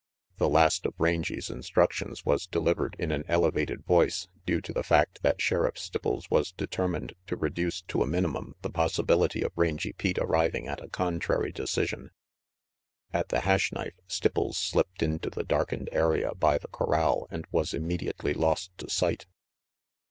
The last of Rangy's instructions was delivered in an elevated voice, due to the fact that Sheriff Stipples was determined to reduce to the minimum the possibility of Rangy Pete arriving at a contrary RANGY PETE 231 decision. At the Hash Knife, Stipples slipped into the darkened area by the corral and was immediately lost to sight.